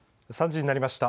３時になりました。